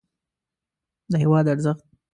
د هېواد ارزښت